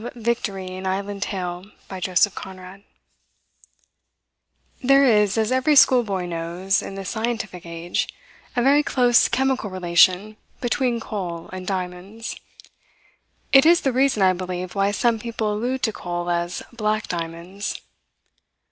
C. VICTORY: AN ISLAND TALE PART ONE CHAPTER ONE There is, as every schoolboy knows in this scientific age, a very close chemical relation between coal and diamonds. It is the reason, I believe, why some people allude to coal as "black diamonds."